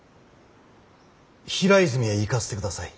平泉へ行かせてください。